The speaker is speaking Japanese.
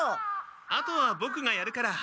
あとはボクがやるから。